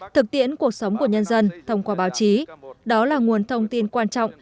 thực tiễn cuộc sống của nhân dân thông qua báo chí đó là nguồn thông tin quan trọng